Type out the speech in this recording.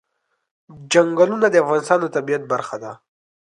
چنګلونه د افغانستان د طبیعت برخه ده.